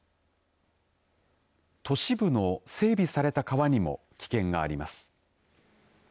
都市部の整備された川にも危険があります。